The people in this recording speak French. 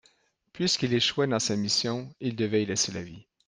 Puisqu’il échouait dans sa mission, il devait y laisser la vie.